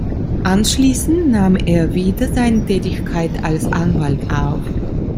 Anschließend nahm er wieder seine Tätigkeit als Anwalt auf.